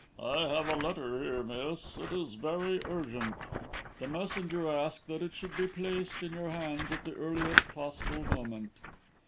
"I have a letter here, miss. It is very urgent. The messenger asked that it should be placed in your hands at the earliest possible moment."